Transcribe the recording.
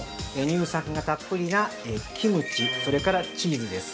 乳酸菌がたっぷりなキムチ、それからチーズです。